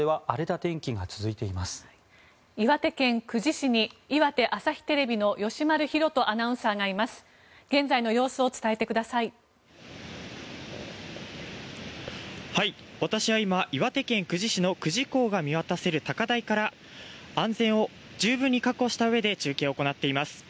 私は今、岩手県久慈市の久慈港が見渡せる高台から安全を十分に確保したうえで中継を行っています。